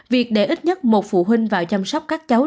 việc để ít nhất một phụ huynh vào chăm sóc các cháu